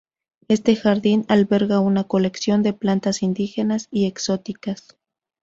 Este jardín alberga una colección de plantas indígenas y exóticas.